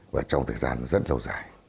và trong thời gian rất lâu dài